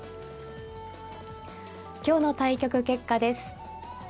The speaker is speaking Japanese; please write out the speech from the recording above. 今日の対局結果です。